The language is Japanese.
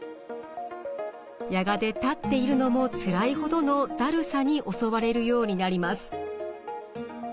やがて立っているのもつらいほどのだるさに襲われるようになります。